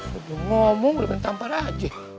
sudah ngomong udah menampar aja